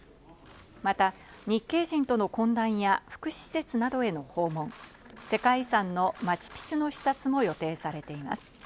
また、日系人との懇談や福祉施設などへの訪問、世界遺産のマチュピチュの視察も予定されています。